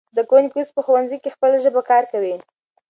زده کوونکی اوس په ښوونځي کې خپله ژبه کارکوي.